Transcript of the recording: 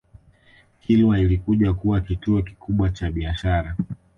Kilwa ilikuja kuwa kituo kikubwa cha biashara